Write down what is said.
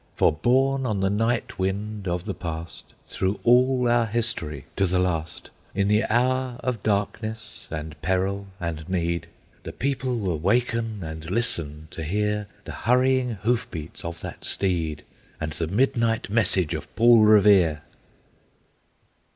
For, borne on the night wind of the Past, Through all our history, to the last, In the hour of darkness and peril and need, The people will waken and listen to hear The hurrying hoof beats of that steed, And the midnight message of Paul Revere.